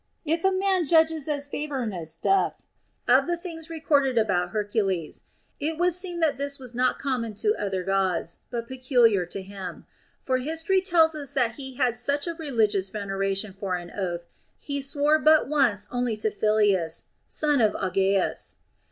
If a man judges as Favorinus doth of the things recorded about Hercules, it would seem that this was not common to other Gods, but peculiar to him ; for history tells us that he had such a religious veneration for an oath, that he swore but once only to Phyleus, son of Augeas.